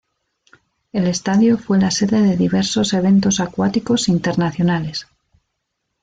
El estadio fue la sede de diversos eventos acuáticos internacionales.